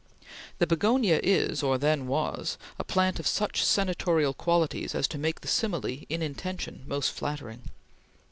The begonia is, or then was, a plant of such senatorial qualities as to make the simile, in intention, most flattering.